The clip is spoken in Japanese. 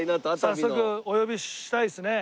早速お呼びしたいですね。